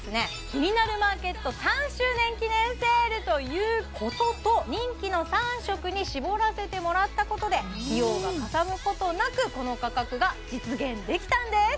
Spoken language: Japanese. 「キニナルマーケット」３周年記念セールということと人気の３色に絞らせてもらったことで費用がかさむことなくこの価格が実現できたんです